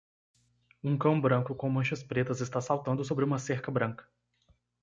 Um cão branco com manchas pretas está saltando sobre uma cerca branca.